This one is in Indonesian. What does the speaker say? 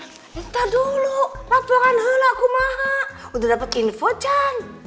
ntar dulu laporan helaku maha udah dapet info can